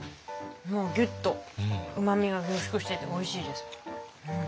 ギュッとうまみが凝縮してておいしいです。